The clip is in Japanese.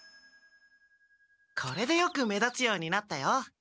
これでよく目立つようになったよ。